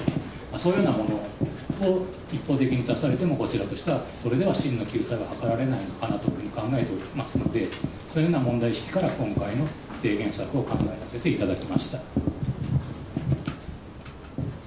そういうようなものを一方的に出されても、こちらとしてはそれでは真の救済ははかられないのかなというふうに考えておりますので、そういうような問題意識から、今回の提言策を考えさせていただきました。